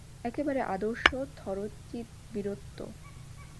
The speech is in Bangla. একেবারে আদর্শ থরো-চিত বীরত্ব।